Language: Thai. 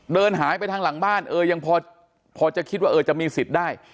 เดินหายไปทางหลังบ้านเออยังพอจะคิดว่าเออจะมีสิทธิ์ได้